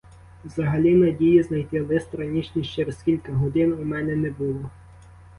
Взагалі надії знайти лист раніш ніж через кілька годин у мене не було.